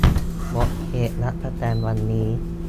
หมดเขตรับสแตมป์วันนี้